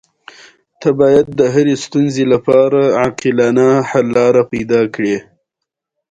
ساده خبره لویه معنا لري.